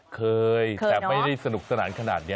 เคยแต่ไม่ได้สนุกสนานขนาดนี้